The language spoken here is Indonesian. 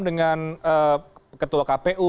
dengan ketua kpu